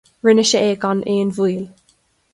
Rinne sé é gan aon mhoill.